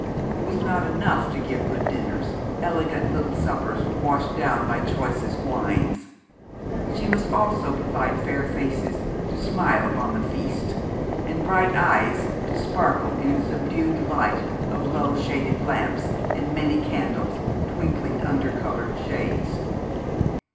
It was not enough to give good dinners, elegant little suppers washed down by choicest wines; she must also provide fair faces to smile upon the feast, and bright eyes to sparkle in the subdued light of low shaded lamps, and many candles twinkling under coloured shades.